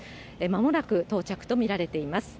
まもなく到着と見られています。